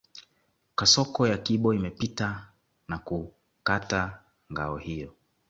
Kasoko ya kibo imepita na kukata ngao hiyo